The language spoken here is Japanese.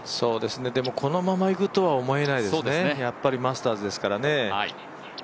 でもこのままいくとは思えないですね、やっぱりマスターズですからね。